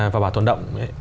và bảo tồn động